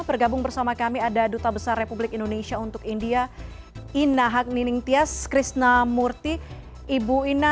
bergabung bersama kami ada duta besar republik indonesia untuk india ina haknining tias krishna murti ibu ina